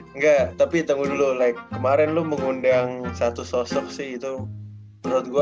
enggak tapi tunggu dulu leg kemarin lu mengundang satu sosok sih itu menurut gue